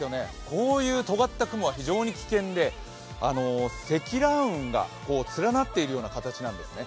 こういうとがった雲が非常に危険で積乱雲が連なっているような形なんですね。